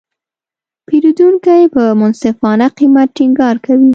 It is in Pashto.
پیرودونکي په منصفانه قیمت ټینګار کوي.